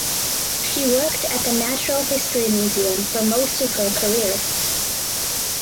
She worked at the Natural History Museum for most of her career.